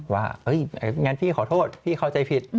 ว่าพี่ขอโทษพี่เขาใจผิด